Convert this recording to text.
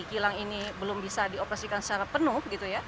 kilang ini belum bisa dioperasikan secara penuh